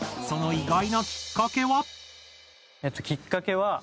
その意外なきっかけは？